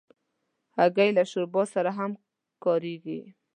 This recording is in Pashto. هګۍ له شوربا سره هم کارېږي.